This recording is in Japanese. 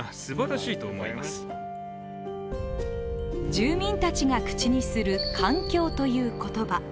住民たちが口にする、環境という言葉。